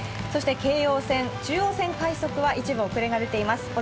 そして、京王線、中央線快速は一部遅れが出ています。